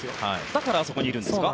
だからあそこにいるんですか？